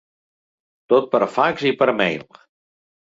Tot per fax i per mail.